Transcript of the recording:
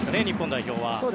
日本代表は。